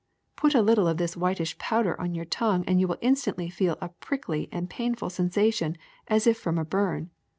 Put a little of this whitish powder on your tongue and you will instantly feel a prickly and painful sensation as if from a burn.